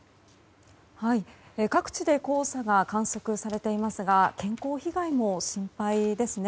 各地で黄砂が観測されていますが健康被害も心配ですね。